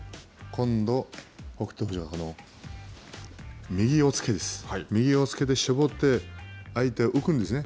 ここから、すかさず、今度北勝富士は、この右をつけて絞って相手が浮くんですね。